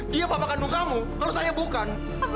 dia bapak kandung kamu kalau saya bukan